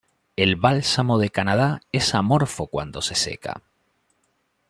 El Bálsamo de Canadá es amorfo cuando se seca.